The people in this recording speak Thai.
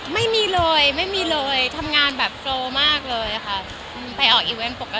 ไม่มีเลยไม่มีเลยทำงานแบบโปรมากเลยค่ะไปออกอีเวนต์ปกติ